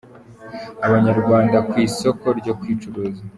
Abanyarwandakazi ku isoko ryo kwicuruza